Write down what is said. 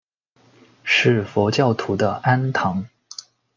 是佛教徒的庵堂。